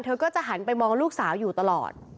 เธอก็จะหันไปมองลูกสาวอยู่ตลอด